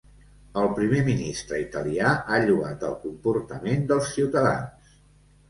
El primer ministre italià ha lloat el comportament dels ciutadans.